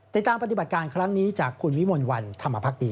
ปฏิบัติการครั้งนี้จากคุณวิมลวันธรรมภักดี